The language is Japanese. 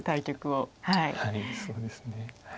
はいそうですね。